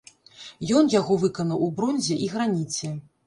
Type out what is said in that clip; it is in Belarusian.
Ён яго выканаў у бронзе і граніце.